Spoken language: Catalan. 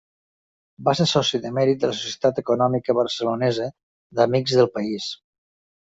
Va ser soci de mèrit de la Societat Econòmica Barcelonesa d'Amics del País.